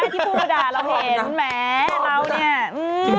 ที่พูดอะเราเห็นแม้เรานี่